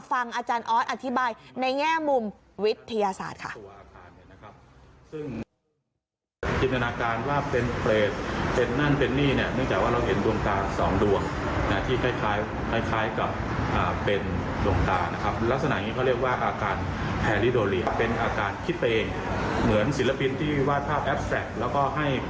ฟังอาจารย์ออสอธิบายในแง่มุมวิทยาศาสตร์ค่ะ